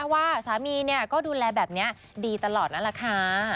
ว่าสามีก็ดูแลแบบนี้ดีตลอดนั่นแหละค่ะ